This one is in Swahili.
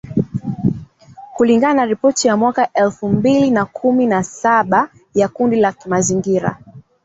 kulingana na ripoti ya mwaka elfu mbili na kumi na saba ya kundi la kimazingira